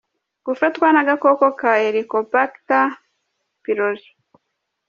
Gufatwa n’agakoko ka Helicobacter pylori;.